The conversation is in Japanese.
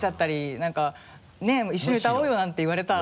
なんかね一緒に歌おうよなんて言われたら。